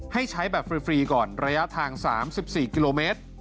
ให้ใช้แบบฟรีก่อนระยะทาง๓๔กิโลเมตร